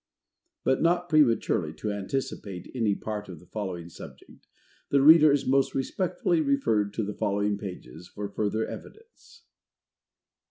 But, not prematurely to anticipate any part of the following subject, the Reader is most respectfully referred to the following pages for further evidence.